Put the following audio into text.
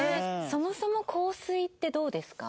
そもそも香水ってどうですか？